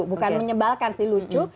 bukan menyebalkan sih lucu